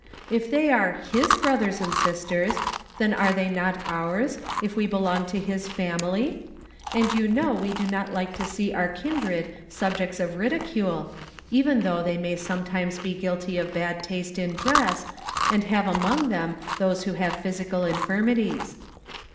If they are Iii$ brothers and sisters then are they not ours, if we belong to His family ? and you know we do not like to see our kindred subjects of ridicule, even though they may some¬ times be guilty of bad taste in dress, and have among them those who have physical infirmities.